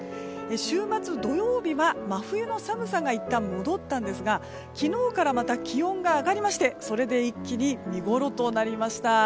週末、土曜日は真冬の寒さがいったん戻ったんですが昨日からまた気温が上がりましてそれで一気に見ごろとなりました。